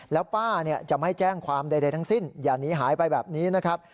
แล้วป้าจะไม่แจ้งความใดทั้งสิ้นอย่าหนีหายไปแบบนี้นะครับ